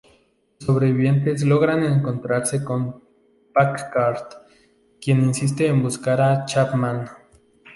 Los sobrevivientes logran encontrarse con Packard, quien insiste en buscar a Chapman.